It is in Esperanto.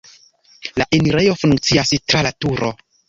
La enirejo funkcias tra laturo.